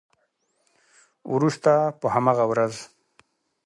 وروسته په همغه ورځ